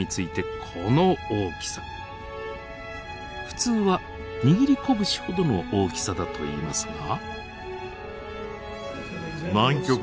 普通は握り拳ほどの大きさだといいますが。